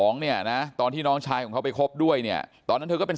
เนี่ยนะตอนที่น้องชายของเขาไปคบด้วยเนี่ยตอนนั้นเธอก็เป็น